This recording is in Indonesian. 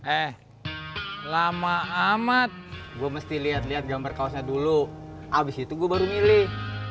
eh lama amat gue mesti lihat lihat gambar kaosnya dulu abis itu gue baru milih